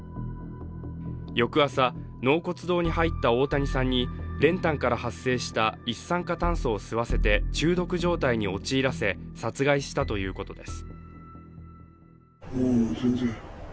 翌朝、納骨堂に入った大谷さんに、練炭から発生した一酸化炭素を吸わせて中毒状態に陥らせ、殺害したということです。